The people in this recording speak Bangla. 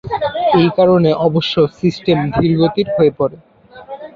এই কারণে অবশ্য সিস্টেম ধীরগতির হয়ে পড়ে।